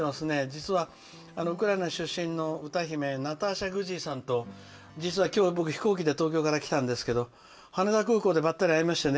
実は、ウクライナ出身の歌姫ナターシャ・グジーさんと実は今日、僕飛行機で東京から来たんですが羽田空港でばったり会いまして。